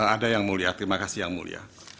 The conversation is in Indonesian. ada yang mulia terima kasih yang mulia